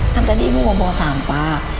kan tadi ibu mau bawa sampah